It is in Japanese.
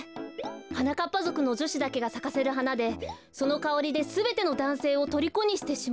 はなかっぱぞくのじょしだけがさかせるはなでそのかおりですべてのだんせいをとりこにしてしまう。